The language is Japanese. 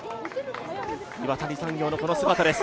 岩谷産業のこの姿です。